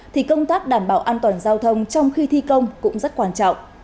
thì công tác đảm bảo an toàn giao thông trong khi thi công cũng rất quan trọng